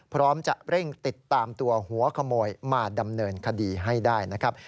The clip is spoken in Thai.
พร้อมจะเร่งติดตามตัวหัวขโมยมาดำเนินคดีให้ได้นะครับ